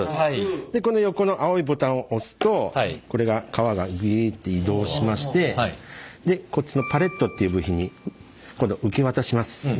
でこの横の青いボタンを押すとこれが皮がグイッて移動しましてでこっちのパレットっていう部品に今度は受け渡します。